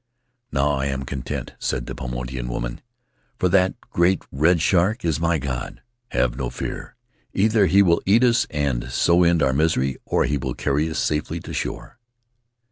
'Now I am content,' said the Paumotuan woman, 'for that great red shark is my god. Have no fear — either he will eat us and so end our misery, or he will carry us safely to shore.